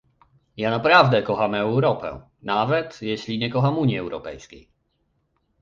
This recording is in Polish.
Ja naprawdę kocham Europę - nawet jeśli nie kocham Unii Europejskiej